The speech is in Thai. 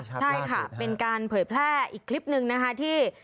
ใช่ค่ะเป็นการเผยแพร่อีกคลิปหนึ่งนะคะที่